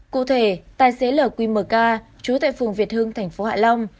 cụ thể tài xế lq chú tại phường việt hưng thành phố hạ long